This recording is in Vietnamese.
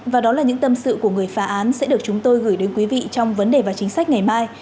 và đó là những tâm sự của người phá án sẽ được chúng tôi gửi đến quý vị trong vấn đề và chính sách ngày mai